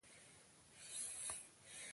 آیا د ځمکې بیه په پارکونو کې مناسبه ده؟